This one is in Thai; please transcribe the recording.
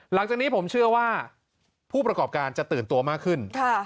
หลังจากนี้ผมเชื่อว่าผู้ประกอบการจะตื่นตัวมากขึ้น